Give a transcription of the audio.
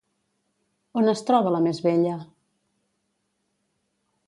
On es troba la més vella?